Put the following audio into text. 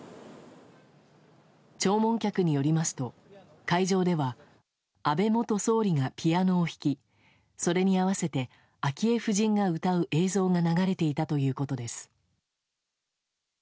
弔問客によりますと、会場では安倍元総理がピアノを弾きそれに合わせて昭恵夫人が歌う映像が流れていたということです。